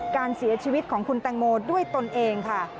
การเสียชีวิตของคุณแตงโมด้วยตนเองค่ะ